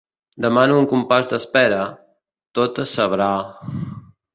Demano un compàs d'espera… Tot és sabrà…